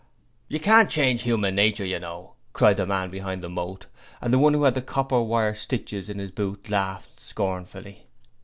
'You can't change 'uman nature, you know,' cried the man behind the moat, and the one who had the copper wire stitches in his boot laughed scornfully.